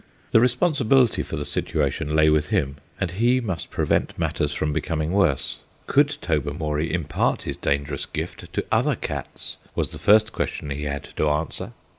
The responsibility for the situation lay with him, and he must prevent matters from becoming worse. Could Tobermory impart his dangerous gift to other cats? was the first question he had to answer.